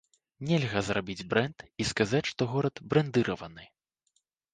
Нельга зрабіць брэнд і сказаць, што горад брэндыраваны.